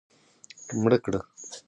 مړه کړه